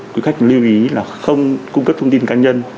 quý khách lưu ý là không cung cấp thông tin cá nhân